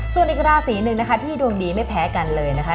ส่วนอีกราศีหนึ่งนะคะที่ดวงดีไม่แพ้กันเลยนะคะ